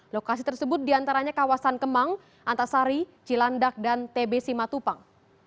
lokasi tersebut diantaranya kawasan kemang antasari cilandak dan tb simatupang